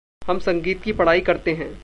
हम संगीत की पढ़ाई करते हैं।